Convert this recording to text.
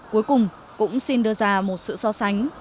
cuối cùng cũng xin đưa ra một sự so sánh